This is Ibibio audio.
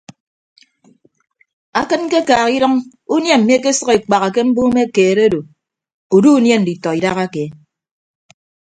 Akịd ñkekaaha idʌñ unie mmi ekesʌk ekpaha ke mbume keed ado udu unie nditọ idahake.